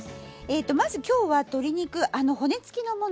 まず今日は鶏肉骨付きのもの